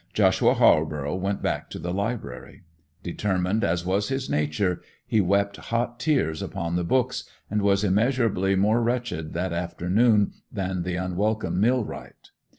Joshua Halborough went back to the library. Determined as was his nature, he wept hot tears upon the books, and was immeasurably more wretched that afternoon than the unwelcome millwright.